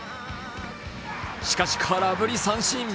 しかし、空振り三振。